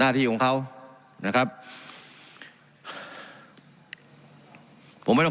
การปรับปรุงทางพื้นฐานสนามบิน